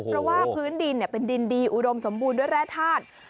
เพราะว่าพื้นดินเป็นดินดีอุดมสมบูรณ์ด้วยแร่ธาตุ